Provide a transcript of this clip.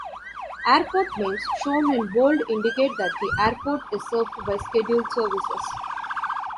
Airport names shown in bold indicate that the airport is served by scheduled services.